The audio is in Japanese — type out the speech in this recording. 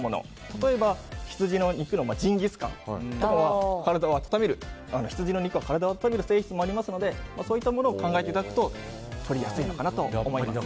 例えば、ヒツジの肉のジンギスカンや羊の肉は体を温める性質がありますのでそういったものを考えていただくととりやすいのかなと思います。